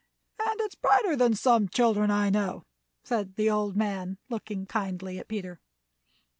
And it is brighter than some children I know," said the old man, looking kindly at Peter.